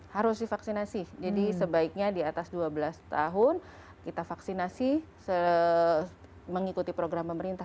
harus divaksinasi jadi sebaiknya di atas dua belas tahun kita vaksinasi mengikuti program pemerintah